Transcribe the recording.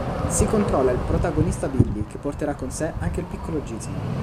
Si controlla il protagonista Billy, che porterà con sé anche il piccolo Gizmo.